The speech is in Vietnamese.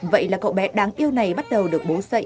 vậy là cậu bé đáng yêu này bắt đầu tìm được một người đàn ông